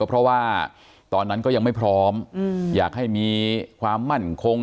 เพราะว่าตอนนั้นก็ยังไม่พร้อมอยากให้มีความมั่นคง